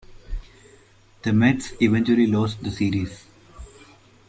The Mets eventually lost the series.